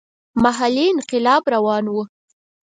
محلي انقلاب روان وو.